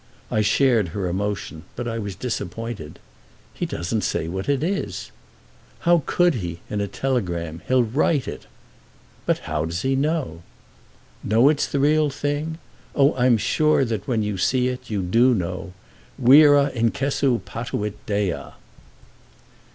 I shared her emotion, but I was disappointed. "He doesn't say what it is." "How could he—in a telegram? He'll write it." "But how does he know?" "Know it's the real thing? Oh I'm sure that when you see it you do know. Vera incessu patuit dea!"